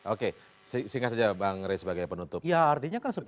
oke singkat saja bang rey sebagai penutup